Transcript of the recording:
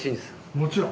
もちろん。